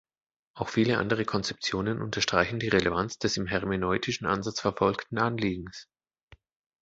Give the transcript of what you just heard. Auch viele andere Konzeptionen unterstreichen die Relevanz des im hermeneutischen Ansatz verfolgten Anliegens.